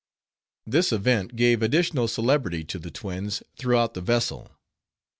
This event gave additional celebrity to the twins throughout the vessel.